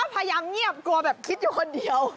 พยายามเงียบกลัวแบบคิดอยู่คนเดียว